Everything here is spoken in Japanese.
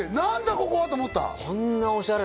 ここは」と思った？